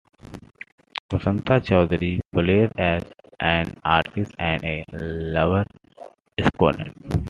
Basanta Chowdhury plays as an artist and a lover-scorned.